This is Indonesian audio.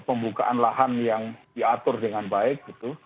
pembukaan lahan yang diatur dengan baik gitu